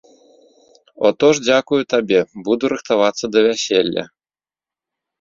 О то ж дзякую табе, буду рыхтавацца да вяселля.